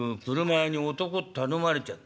俥屋に男と頼まれちゃった」。